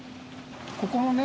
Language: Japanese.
ここのね